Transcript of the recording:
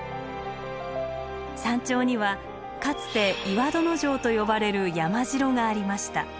山頂にはかつて岩殿城と呼ばれる山城がありました。